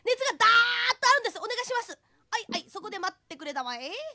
「はいはいそこでまってくれたまえ」。